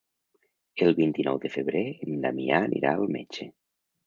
El vint-i-nou de febrer en Damià anirà al metge.